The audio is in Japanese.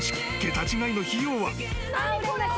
桁違いの費用は？